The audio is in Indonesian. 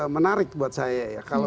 menarik buat saya